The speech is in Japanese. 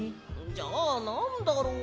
じゃあなんだろ？